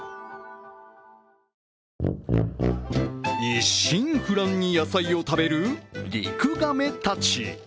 一心不乱に野菜を食べるリクガメたち。